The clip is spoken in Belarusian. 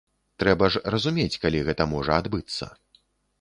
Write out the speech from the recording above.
Трэба ж разумець, калі гэта можа адбыцца.